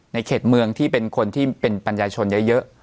เขตเมืองที่เป็นคนที่เป็นปัญญาชนเยอะ